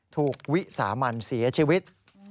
ถูกวิสามันเสียชีวิต